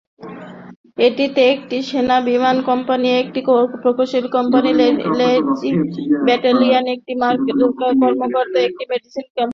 এটিতে একটি সেনা বিমান কোম্পানি, একটি প্রকৌশল কোম্পানি, লজিস্টিক ব্যাটালিয়ন, একটি মাঠ কর্মশালা এবং একটি মেডিকেল কোম্পানি আছে।